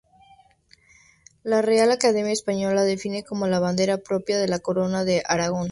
La Real Academia Española define como la bandera propia de la corona de Aragón.